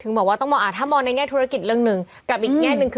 ถึงบอกว่าถ้ามองในแง่ธุรกิจเรื่องหนึ่ง